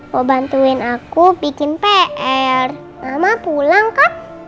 kau bantuin aku bikin pr mama pulang kan